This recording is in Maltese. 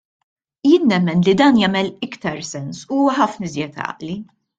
Jien nemmen li dan jagħmel iktar sens u huwa ħafna iżjed għaqli.